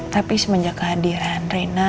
tapi semenjak kehadiran rena